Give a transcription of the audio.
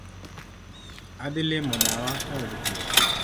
Adhii limo dawa e od thieth